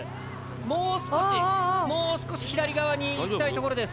もう少しもう少し左側に行きたいところです。